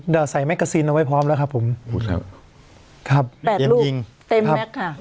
เดี๋ยวใส่แม็กซินเอาไว้พร้อมแล้วครับผมครับเต็มยิงเต็มแม็กซ์ค่ะ